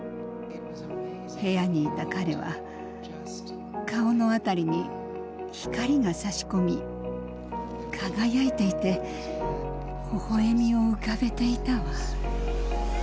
部屋にいた彼は顔の辺りに光がさし込み輝いていてほほえみを浮かべていたわ。